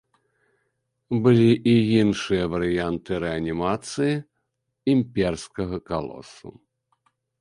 Былі і іншыя варыянты рэанімацыі імперскага калосу.